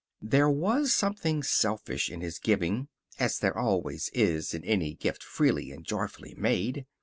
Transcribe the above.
There was something selfish in his giving, as there always is in any gift freely and joyfully made.